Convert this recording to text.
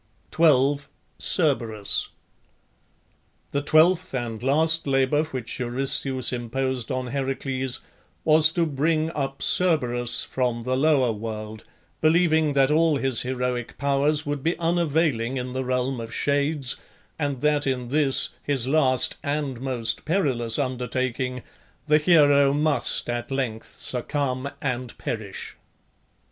12. CERBERUS. The twelfth and last labour which Eurystheus imposed on Heracles was to bring up Cerberus from the lower world, believing that all his heroic powers would be unavailing in the Realm of Shades, and that in this, his last and most perilous undertaking, the hero must at length succumb and perish.